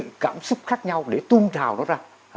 mỗi người cũng có một sự cảm xúc khác nhau để tuôn trào nó ra